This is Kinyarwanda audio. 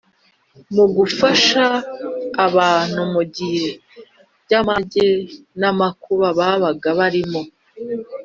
mu gufasha abantu mu bihe by’amage n’amakuba babaga barimo